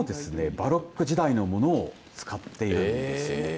バロック時代のものを使っているんです。